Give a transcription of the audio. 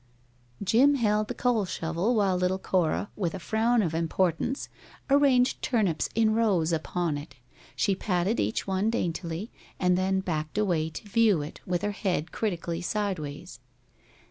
Jim held the coal shovel while little Cora, with a frown of importance, arranged turnips in rows upon it. She patted each one daintily, and then backed away to view it, with her head critically sideways.